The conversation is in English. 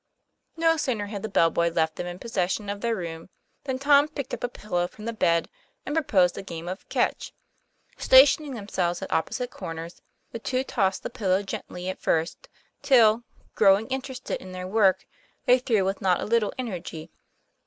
No sooner had the bell boy left them in possession of their room than Tom picked up a pillow from the bed and proposed a game of 'catch." Stationing themselves at opposite corners, the two tossed the pillow gently at first, till, growing interested in their work, they threw with not a little energy.